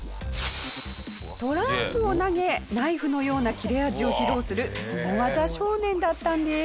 トランプを投げナイフのような切れ味を披露するスゴ技少年だったんです。